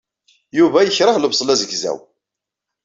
Yuba yekreh lebṣel azegzaw.